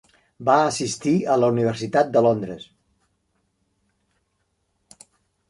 Va assistir a la Universitat de Londres.